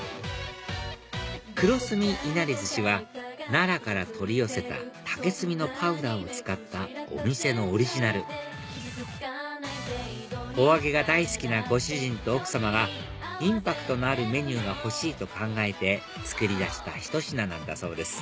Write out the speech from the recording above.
黒炭稲荷寿司は奈良から取り寄せた竹炭のパウダーを使ったお店のオリジナルお揚げが大好きなご主人と奥様がインパクトのあるメニューが欲しいと考えて作り出したひと品なんだそうです